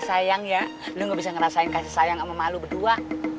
sayang ya lu gak bisa ngerasain kasih sayang sama malu berdua